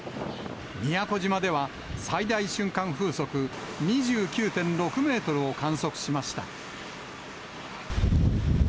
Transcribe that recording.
宮古島では最大瞬間風速２９．６メートルを観測しました。